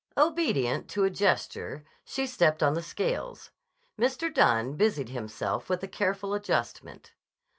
Obedient to a gesture she stepped on the scales. Mr. Dunne busied himself with a careful adjustment.